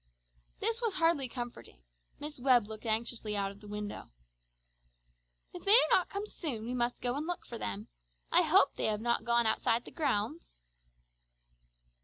This was hardly comforting. Miss Webb looked anxiously out of the window. "If they do not come soon, we must go and look for them. I hope they have not gone outside the grounds!"